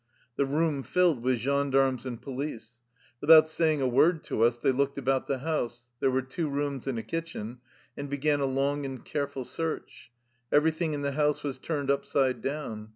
The room filled with gendarmes and police. Without say ing a word to us, they looked about the house, — there were two rooms and a kitchen — and began a long and careful search. Everything in the house was turned upside down.